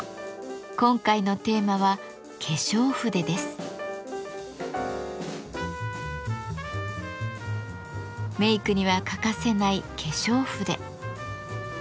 今回のテーマはメイクには欠かせない化粧筆。